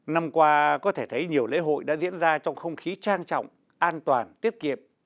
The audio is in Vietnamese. năm qua có thể thấy nhiều lễ hội đã diễn ra trong không khí trang trọng an toàn tiết kiệm